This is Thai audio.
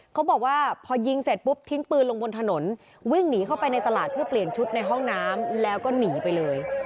เขาบอกว่าพอยิงเสร็จปุ๊บทิ้งปืนลงบนถนนวิ่งหนีเข้าไปในตลาดเพื่อเปลี่ยนชุดในห้องน้ำแล้วก็หนีไปเลย